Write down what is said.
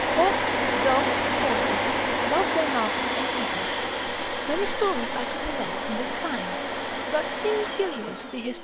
Hawks, dogs, horses, love their masters and keepers: many stories I could relate in this kind, but see Gillius de hist.